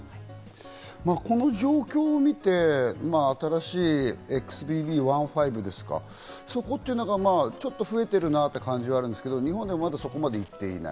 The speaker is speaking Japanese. この状況を見て新しいＸＢＢ．１．５ですか、そこって、ちょっと増えてるなって感じはあるんですけど、日本ではまだそこまで行っていない。